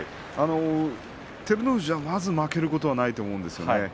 照ノ富士はまず負けることはないと思うんですけどね。